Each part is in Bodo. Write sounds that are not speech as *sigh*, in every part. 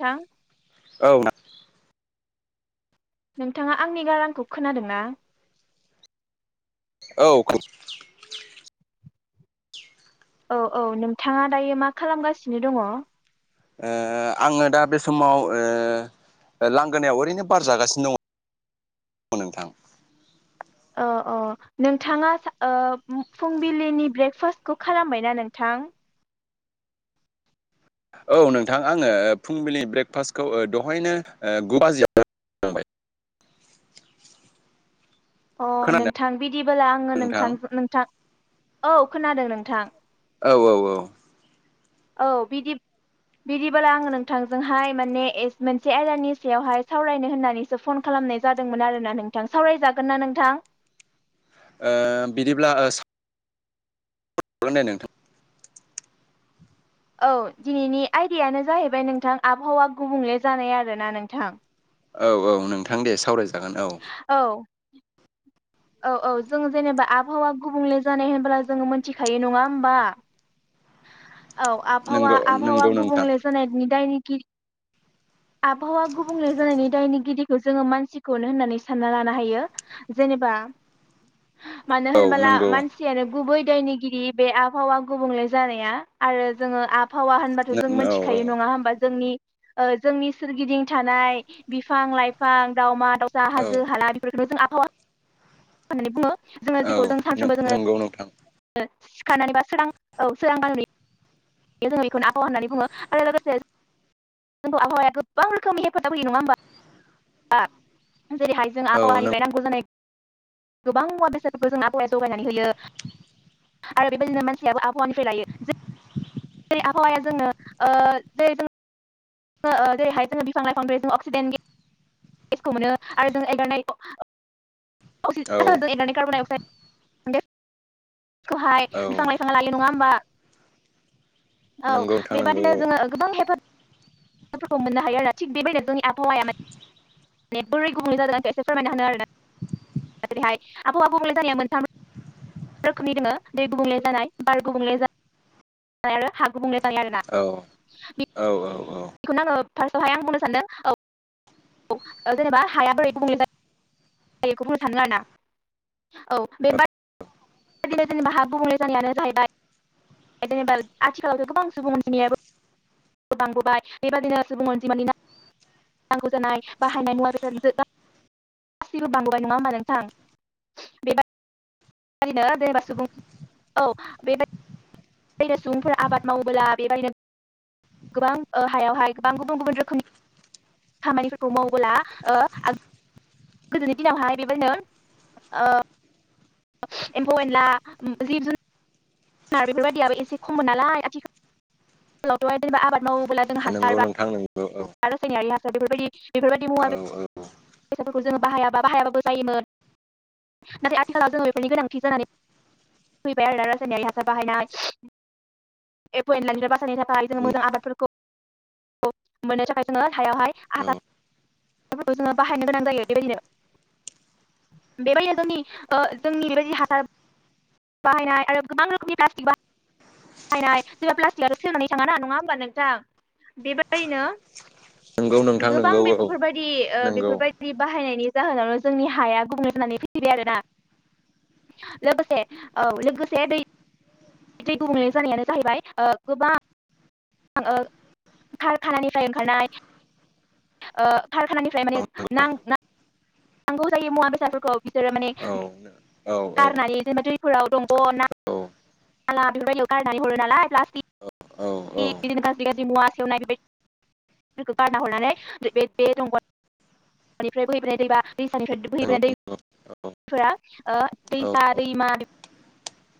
नोंथां। औ। नोंथाङा आंनि गारांखौ खोनादों ना? औ खुब औ औ नोंथाङा दायो मा खालामगासिनो दङ? ओ आङो दा बे समाव ओ लांगोनायाव ओरैनो बार जागासिनो दङ। नोंथां अ अ नोंथाङा ओ फुंबिलिनि ब्रेकफास्टखौ खालामबायना नोंथां? थां। औ नोंथां आङो फुंबिलि ब्रेकफास्टखौ दहायनो गु बाजियाव जाबाय। *inaudible* अ खोनादों नोंथां बिदिबोला आङो नोंथां नोंथां औ खोनादों नोंथां। औ औ औ। औ बिदि बिदिबोला आं नोंथांजोंहाय माने मोनसे आयदानि सायावहाय सावरायनो होननानैसो फन खालाम नाय जादोंमोन आरोना नोंथां सावरायजागोन ना नोंथां? ओ बिदिब्ला ओ सा हागोन दे नोंथां। औ दिनैनि आयदायानो जाहैबाय नोंथां आबहावा गुबुंले जानाय आरोना नोंथां। औ औ नोंथां दे सावराय जा औ। औ औ जों जेनेबा आबहावा गुबुंले जानाय होनबो जोङो मोनथिखायो नङा होमबा। औ आबहावा नंगौ आबहावा नंगौ नोंथां गुबुंले जानायनि दायनिगिरि आबहावा गुबुंले जानायनि दायनिगिरिखौ जोङो मानसिखौनो होननानै सानना लानो हायो जेने‌ बा मानो औ होनोबोला नंगौ मानसियानो गुबै दायनिगिरि बे आबहावा गुबुंले जानाया आरो जोङो आ फावा होनबाथ' औ जों मिथिखायो औ नङा होमबा जोंनि जोंनि सोरगिदिं थानाय बिफां लाइफां दावउमा दावउसा हाजो औ हाला बेफोरखौ जों आ फावा होननानै बुङो जोङो औ जेखौ जों सानफ्रोमबो नंगौ नोंथां जोङो खानानै बा सोरां औ सोरां बनानै जों बेखौनो आबहावा होननानै बुङो आरो लोगोसे जोंखौ आबहावाया गोबां रोखोमनि हेफाजाब होयो नङा होमबा? जेरैहाय जों औ नों आहावानिफ्राय नांगौ जानाय गोबां मुवा बेसादफोरखौ जोंना आबफावाया जगायनानै होयो। आरो बेबायदिनो मानसियाबो आबहावानिफ्राय लायो जों जेरै आबहावाया जोंनो ओ दै *unintelligible* *unintelligible* औ *unintelligible* औ *unintelligible* औ नंगौ नोंथां नंगौ बेबादिनो जोङो औ गोबां हेफाजाबफोरखौ मोननो हायो आरो थिग बेबायदिनो जोंनि आबहावाया माने बोरै गुबुं जादों आंफ्राय एसे फोरमायना होनो आरोना *unintelligible* *unintelligible* जानाय औ औ औ औ। बेखौनो आङो फार्स्टआवहाय आं बुंनो सानदों औ औ जेनेबा हाया बोरै गुबुंले *inaudible* *inaudible* जेनेबा आथिखालावथ' गोबां सुबुं अनजिमायाबो बांबोबाय बेबायादिनो सुबुं अजमानि ना नांगौ जानाय बाहायनाय मुवा *unintelligible* गासिबो बांबोबाय नङा होमबा नोंथां। *unintelligible* बेबायदिनो सुबुंफोरा आबाद मावबोला बेबायनो गोबां हायावहाय गोबां गुबुन गुबुन रोखोमनि खामानिफोरखौ मावबोला ओ गोदोनि दिनावहाय बेबायदिनो ओ एमफौ एनला जिब जु *unintelligible* बेफोरबादियाबो एसे खममोन नालाय आथिखा *unintelligible* जेनबा आबाद मावोब्ला जों नंगौ हासार बा नोंथां नंगौ औ रासायनारि हासार बेफोरबायदि बेफोरबायदि औ मुवा बे फैसाफोरखौ जोङो बाहायाबा बाहायाबाबो जायोमोन नाथाय आथिखालाव जोंफोरनि गोनांथि जानानै फैबाय आरो ना रायथायारि हासार बाहायनाय एप' एन्डला निफ बासायनि थाखाय जों मोजां आबादफोरखौ मोननो थाखाय जोङो हायावहाय आ औ फोरखौ जोङो बाहायनो गोनां जायो बेबायदिनो। *unintelligible* बाहायनाय आरो गोबां रोखोमनि प्लास्टिक बाहा हायनाय। सोरबा प्लास्टिकआ सोंनानै थाङाा नङा होमबा नोंथां? बेबायिनो नंगौ नोंथां गोबां नंगौ औ बेफोरबायदि ओ नंगौ बेफोरबायदि बाहायनायनि जाहोनावनो जोंनि हाया गुबुंलै जानानै फैबाय आरोना लोगोसे औ लोगोसे दै दै गुबुंले जानायानो जाहैबाय ओ गोबां आङो खारखानानिफ्राय ओंखारनाय ओ कारखानानिफ्राय माने औ नंगौ नां नांगौ जायो मुवा बेसादफोरखौ बिसोरो माने औ औ गारनानै जेनेबा दैइफोराव दंग' ना *unintelligible* औ औ *unintelligible* *unintelligible* दैनिफ्राय बोहैबोनाय दै बा दैसानिफ्राय नंगौ औ बोहैबोनाय दै फोरा ओ औ दैसा दैमा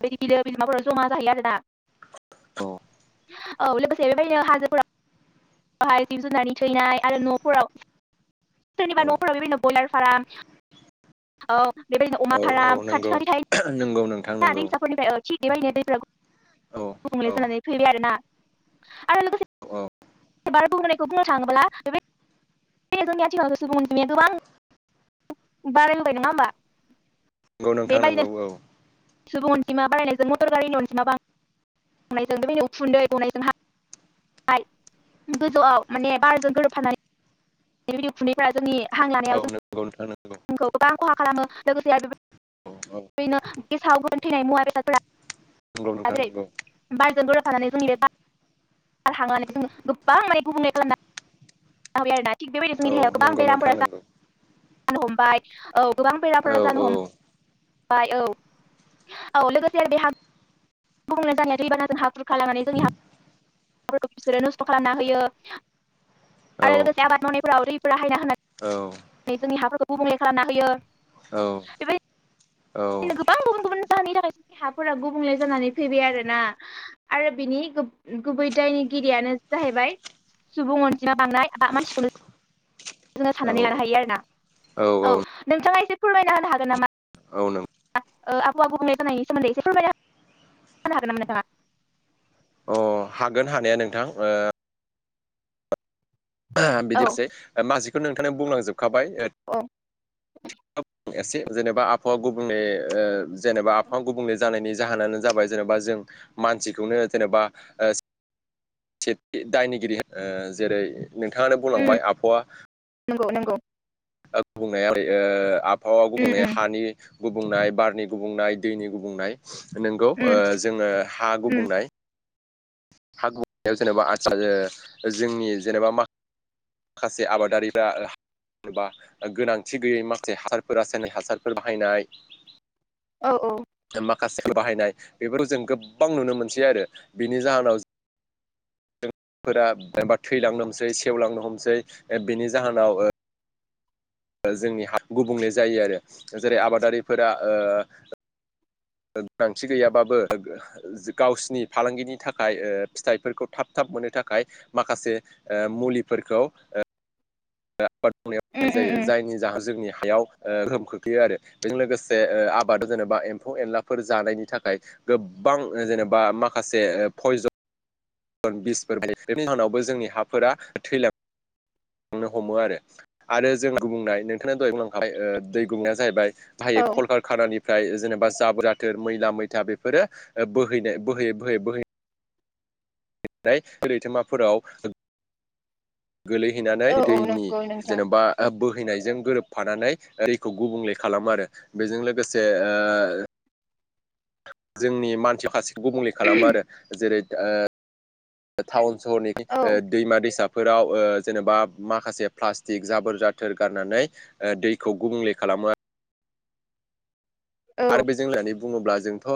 बेदि बिलो बिमाफोर जमा जाहैयो आरोना औ लोगोसे बेबायदिनो हाजो फोराव बहाय जिब जुनारनि थैनाय आरो न'फोराव सोरनिबा न'फोराव बेबादिनो ब्रइलार फार्म ओ बेबायदिनो अमा फार्म *unintelligible* नोंगौ नोंथां थायोना नोंगौ। दैसाफोरनिफ्राय औ थिग बेबायदिनो दैफ्रा गुबुंले औ जानानै फैबाय आरोना आरो लोगोसे औ *unintelligible* *unintelligible* गोबां बारायबोबाय नङा होमबा नंगौ नोंथां नंगौ बेबायदिनो औ। सुबुं अनजिमा बायनायजों मटर गारिनि अनजिमा बां *unintelligible* उखुन्दै गनायजों हा गोजौआव माने बार'जों गोरोबफानानै *unintelligible* जोंनि हां औ लानायाव जों नंगौ नोंथां नंगौ आंखौ गोबां खहा खालामो लोगोसे आरो औ औ नंगौ नोंथां नंगौ *unintelligible* *unintelligible* *unintelligible* गोबां माने गुबुंले खालामना आरोना थिग औ बेबायदिनो गोबां नंगौ नोंथां बेरामफोरा नंगौ जानो हमबाय औ गोबां औ बेराफोरा जानो हम बाय औ औ लोगोसे आरो बेहा *unintelligible* *unintelligible* बिसोरो नस्थ' खालामना होयो। औ आरो लोगोसे आबाद मावनायफोराव दैफोरा हायना औ होना जोंनि हाफोरखौ गुबुंले खालामना होयो औ बेबायदि औ गोबां गुबुन गुबुन जाहोननि थाखाय देहाफोरा गुबुंले जानानै फैबाय आरो ना आरो बिनि गुबै दायनिगिरियानो जाहैबाय सुबुं अनजिमा बांदनाय मानसिखौनो जोङो साननानै लानो हायो आरोना औ नोंथाङा एसे फोरमायना होनो हागोन नामा? औ नों *unintelligible* आबौ आबौ *unintelligible* सोमोन्दै एसे फोरमायना होनो हागोन नामा नोंथाङा। अ हागोन हानाया नोंथां। ओ औ बिदि *unintelligible* नोंथांनो बुंलांजोबखाबाय। औ एसे जेनेबा आबहावा गुबुंले जेनेबा आबहावा गुबुंले जानायनि जाहोनानो जाबाय जेनेबा जों मानसिखौनो जेनेबा ओ *unintelligible* सेथि दायनिगिरि जेरै नोंथाङानो उम बुंलांबाय आबहावा नंगौ नंगौ। गुबुंनाया ओरै आबहावा उम गुबुंनाया उम हानि गुबुंनाय बारनि गुबुंनाय दैनि गुबुंनाय। नंगौ उम जोङो हा उम गुबुंनाय हा *unintelligible* जेनेबा *unintelligible* जोंनि जेनेबा मा माखासे आबादारिफ्रा जेनबा गोनांथि गैयै माखसे हासारफोर *unintelligible* हासारफोर बाहायनाय औ औ *unintelligible* बाहायनाय बेफोरखौ जों गोबां नुनो मोनसै आरो बिनि जाहोनाव फोरा एबा थैलांनो हमसै सेवलांनो हमसै बिनि जाहोनाव ओ जोंनि हा गुबुंले जायो आरो जेरै आबादारिफोरा ओ गोनांथि गैयाबाबो गावसिनि फालांगिनि थाखाय ओ फिथाइफोरखौ थाब थाब मोननो थाखाय माखासे ओ मुलिफोरखौ ओ *unintelligible* उम उम जायो उम जायनि जाहोन जोंनि याव ओ गोहोम खोख्लैयो आरो‌ बेजों लोगोसे आबादाव जेनेबा एम्फौ एनलाफोर जानायनि थाखाय गोबां जेनेबा माखासे पयजन बिसफोर *unintelligible* जोंनि हाफोरा थैलाङो। थांनो हमो आरो आरो दै गुबुंनाय नोंथांङा दहाय बुंलांखाय दै गुंनाया जाहैबाय औ बाहायो कल कारखानानिफ्राय जेनेबा जाबोर आथोर मैला मैथा बेफोरो बोहैनाय बोहै बोहैनो नाथाय रैथोमाफोराव गोलैहैनानै औ औ दैनि नंगौ नोंथां जेनेबा आ बोहैनायजों गोरोब फानानै ओरैखौ गुबुंले खालामो आरो बेजों लोगोसे ओ जोंनि मानसियाव खासे गुबुंले खालामो आरो जेरै ओ थाउन सहरनि औ ओ दैमा दैसा फोराव ओ जेनेबा माखासे प्लास्टिक जाबोर जाथोर गारनानै दैखौ गुबुंले खालाम *inaudible* औ आरो बेजों होननानै बुङोब्ला जोंथ'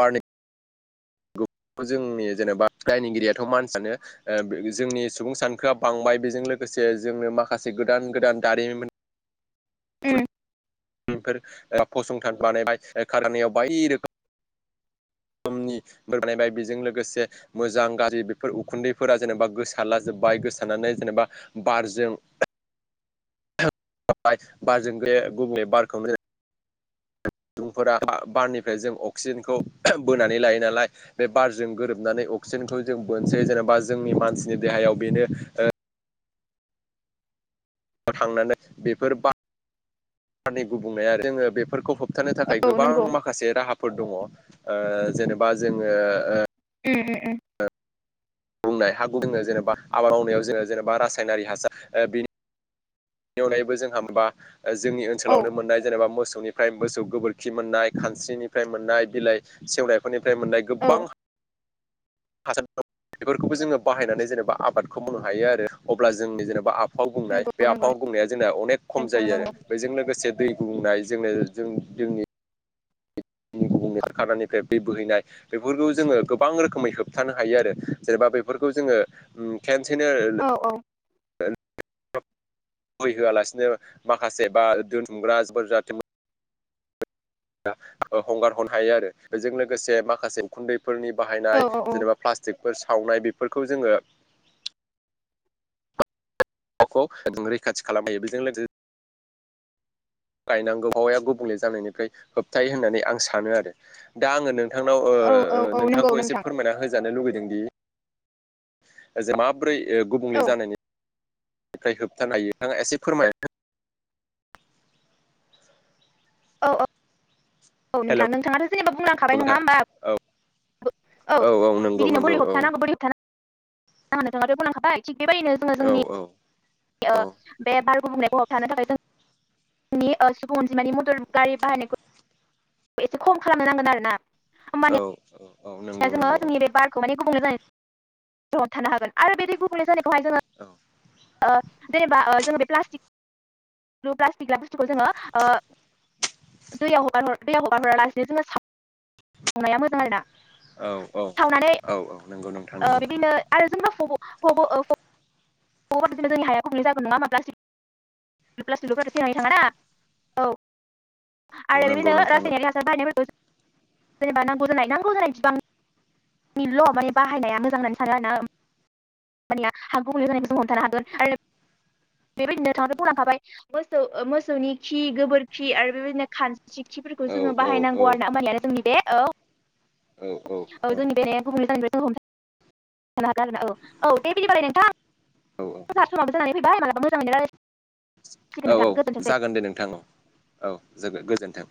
बारनि जोंनि जेनेबा दायनिगिरियाथ' मानसियानो जोंनि सुबुं सानखोआ बांबाय बेजों लोगोसे जोंनो माखासे गोदान गोदान दारिमिन उम बेफोर ओ फसंथान बानायबाय खारानिाव बाय रोखोम *inaudible* बानायबाय बेजों लोगोसे मोजां गाज्रि बेफोर उखुन्दैफोरा जेनेबा गोसारला जोबबाय गोसारनानै जेनेबा बारजों बारजों बे गुबुंलै बारखौनो सुबुं सुबुंफोरा बारनिफ्राय जों अक्सिजेनखौ बोनानै लायो नालाय बे बारजों गोरोबनानै अक्सि सिनखौ जों बोनसै जेनेबा जोंनि मानसिनि देहायाव बेनो ओ थांनानै बेफोर बार बारनि गुबुंनाया जोङो बेफोरखौ होबथानो थाखाय औ गोबां नंगौ माखासे राहाफोर दङ ओ जेनेबा जोङो ओ उम उम बुंनाय हा गुबुंनाय जेनेबा आबाद मावनायाव जोङो जेनेबा रासायनारि हासार ओ बेनि बेनि अनगायैबो जोंहा माबा जोंनि ओ औ ओनसोलावनो मोननाय जेनबा मोसौनि फ्राय मोसौ गोबोरखि मोननाय खानस्रिनिफ्राय मोननाय बिलाइ सेवनायफोरनि फोरनिफ्राय मोननाय औ गोबां हासार बेफोरखौबो जोङो बाहायनानै जेनेबा आबादखौ मावनो हायो आरो अब्ला जोंनि जेनेबा आबाद आफाव बुंनाय नंगौ बे नंगौ आफाव बुंनाया जोंना अनेक खम नोंथां जायो आरो नंगौ बेजों लोगोसे दै गुबुंनाय जोंना जों जोंनि *inaudible* म खनिफ्राय दै बोहैनाय बेफोरखौ जोङो गोबां रोखोमै होबथानो हायो आरो जेनेबा बेफोरखौ जों *inaudible* औ औ मै होआलासिनो माखासे बा दोनथुमग्राफोर जाथे मो हंगार हरनो हायो आरो बेजों लोगोसे माखासे खुन्दै फोरनि औ बाहायनाय जेनेबा प्लाष्टिकफोर सावनाय बेफोरखौ जोङो गखौ रैखाथि खालामहायो बेजों लोगोसे गायनांगौ हाबावाया गुबुंले जानायनिफ्राय होबथायो होननानै आं सानो आरो दा आङो नोंथांनाव ओ औ औ ओ औ नंगौ नोंथांखौ एसे नोंथां फोरमायना होजानो लुुबैदों दि ओ जों माब्रै ओ गुबुंले औ जानायनि बेनिफ्राय होबथानो हायो नोंथाङा एसे फोरमाय औ औ औ हेलौ नोंथाङा नोंथाङाथ' जेनेबा बुंलांखाबाय नङा नोंथां होनोमबा औ औ नंगौ नंगौ औ होन थां बुंनांखाबाय थिग बेबायदिनो जोङो औ जोंनि औ ओ औ बे बार गुबुंनायखौ थानो थाखाय जों जोंनि सुबुं अनजिमानि मटर गारि बाहायनायखौ एसे खम खालामनो नांगोन आरोना औ औ दा नंगौ जोङो नंगौ औ जोंनि बे बारखौ माने गुबुंले जानाय निफ्राय होबथानो हागोन आरो बेदि गुबुंले जानाय औ ओ जेनेबा ओ जोङो बे प्लास्टिक प्लास्टि बुस्थुखौ जोङो ओ दैयाव हगार हरा दैयाव हगारहरालासिनो जोङो सा सावनाया मोजां आरोना औ औ सावनानै औ औ नंगौ नोंथां नंगौ बिदिनो आरो जेनेबा *unintelligible* *unintelligible* *unintelligible* औ आरो बिदिनो नंगौ नोंथां नंगौ रासायनारि हासार बाहायनाय फोरखौ जों जेनेबा नांगौ जानाय नांगौ जानाय बिबांनिल माने बाहायनाया मोजां होननानै सानो आरो ना ओमबानिया हां गुबुंले जानायखौ जों हमथानो हागोन आरो बेबायदिनो नोंथाङाथ बुंलांखाबाय मोसौ ओ मोसौनि खि गोबोरखि आरो बेबायदिनो खान स्रि खि फोरखौ औ जोङो औ बाहायनांगौ आरोना ओंबानियानो जोंनि बे औ औ औ जोंनि बे गुबुंले जानायखौ हमथानो हागोन आरोना औ औ दे बिदिबालाय नोंथां औ जोंना समाबो जानानै फैबाय मालाबा मोजाङैनो राय औ औ जागोन दे नोंथां औ जोबोद गोजोन्थों